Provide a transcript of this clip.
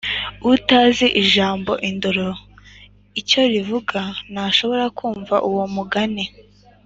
utazi ijambo “indaro” icyo rivuga ntushobora kumva uwo mugani